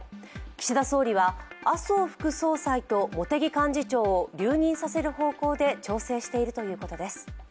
岸田総理は麻生副総裁と茂木幹事長を留任させる方向で調整しているということです。